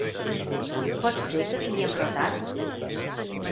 Pot ser que vingui amb retard?